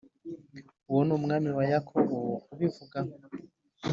uwo ni Umwami wa Yakobo ubivuga.